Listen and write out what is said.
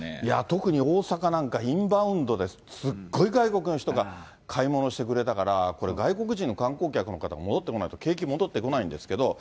特に大阪なんか、インバウンドですっごい外国の人が買い物してくれたから、これ、外国人の観光客の方戻ってこないと、景気戻ってこないんですけど。